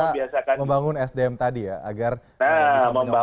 nah membangunnya di era yang sekarang